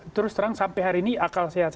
terus terang sampai hari ini akal sehat